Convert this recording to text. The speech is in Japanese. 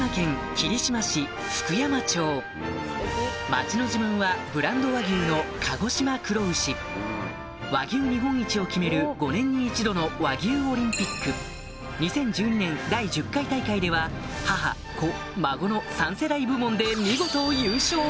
町の自慢はブランド和牛の和牛日本一を決める５年に１度の和牛オリンピック２０１２年第１０回大会では母子孫の３世代部門で見事優勝